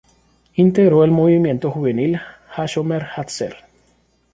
Integró el movimiento juvenil Hashomer Hatzair.